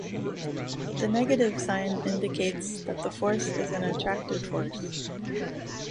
The negative sign indicates that the force is an attractive force.